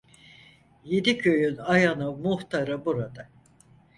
Yedi köyün ayanı muhtarı burada…